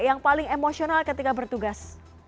yang paling emosional ketika bertugas